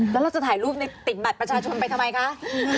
แล้วเราจะถ่ายรูปติดบัตรประชาชนไปทำไมคะ